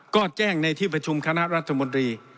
ก็แจ้งในที่ประชุมคณะรัฐมนตรี